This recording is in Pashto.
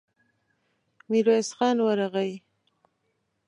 ميرويس خان ورغی.